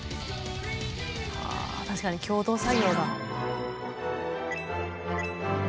確かに共同作業だ。